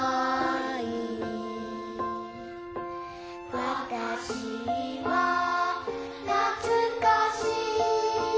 「わたしはなつかしい」